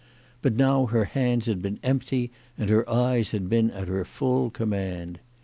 But now her hands had been empty, and her eyes had been at her full com mand.